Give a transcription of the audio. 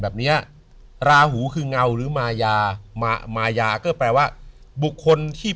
แบบเนี้ยราหูคือเงาหรือมายามามายาก็แปลว่าบุคคลที่